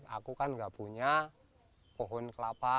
aku kan gak punya pohon kelapa